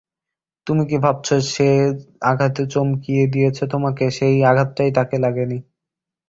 তুমি কি ভাবছ, যে-আঘাতে চমকিয়ে দিয়েছে তোমাকে, সেই আঘাতটাই তাঁকে লাগে নি।